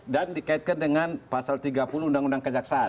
dan dikaitkan dengan pasal tiga puluh undang undang kejaksaan